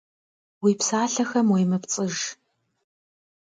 Уи псалъэхэм уемыпцӏыж.